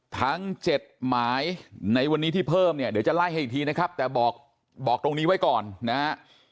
ทั้ง๗หมายในวันนี้ที่เพิ่มเนี่ยเดี๋ยวจะไล่ให้อีกทีนะครับแต่บอกตรงนี้ไว้ก่อนนะฮะ